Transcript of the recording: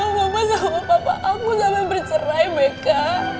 aku gak mau sama papa aku sampai bercerai beka